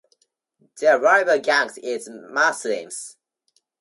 Their rival gang is the Muslims.